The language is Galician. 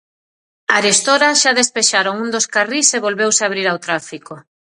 Arestora xa despexaron un dos carrís e volveuse a abrir ao tráfico.